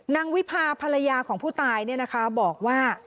นางวิพาพาลยาของผู้ตายนะคะบอกว่า